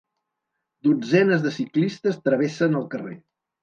Dotzenes de ciclistes travessen el carrer.